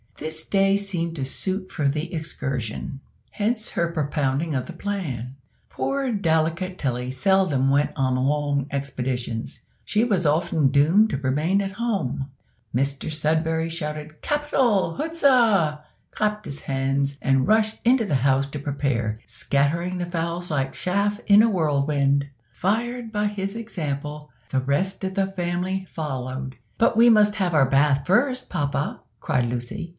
This day seemed to suit for the excursion hence her propounding of the plan. Poor delicate Tilly seldom went on long expeditions, she was often doomed to remain at home. Mr Sudberry shouted, "Capital! huzza!" clapped his hands, and rushed into the house to prepare, scattering the fowls like chaff in a whirlwind. Fired by his example, the rest of the family followed. "But we must have our bathe first, papa," cried Lucy.